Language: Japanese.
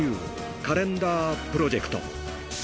カレンダープロジェクト。